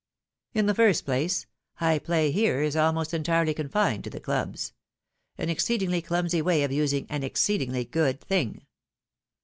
In the first place, high play is here almost entirely confined to the clubs; an exceedingly clumsy way of using an exceedingly good thing.